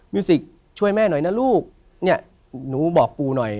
วสิกช่วยแม่หน่อยนะลูกเนี่ยหนูบอกปูหน่อย